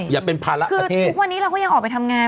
คือทุกวันนี้เราก็ยังออกไปทำงาน